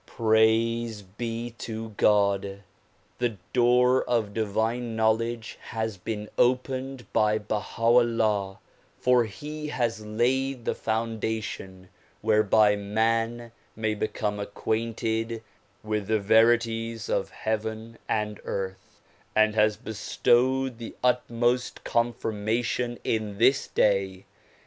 Praise be to God ! the door of divine knowledge has been opened by Baha 'Ullaii ; for he has laid the foundation whereby man may become acquainted with the verities of heaven and earth and has bestowed the utmost confirmation in this day.